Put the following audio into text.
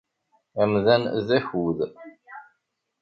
Amdan, d akud.